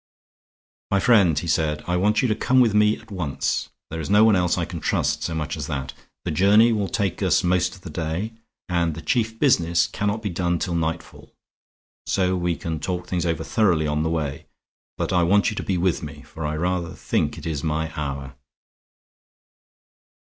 "My friend," he said, "I want you to come with me at once; there is no one else I can trust so much as that. The journey will take us most of the day, and the chief business cannot be done till nightfall. So we can talk things over thoroughly on the way. But I want you to be with me; for I rather think it is my hour."